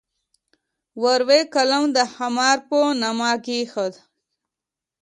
ور وې قلم د خامار په نامه کېښود.